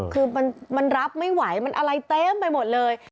คือมันรับไม่ไหวมันอะไรเต็มไปหมดเลย